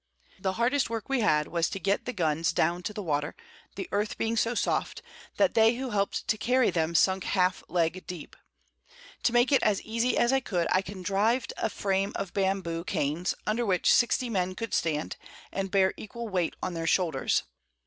The hardest Work we had was to get the Guns down to the Water, the Earth being so soft, that they who help'd to carry them sunk half Leg deep. To make it as easy as I could, I contriv'd a Frame of Bamboe Canes, under which 60 Men could stand, and bear equal Weight on their Shoulders.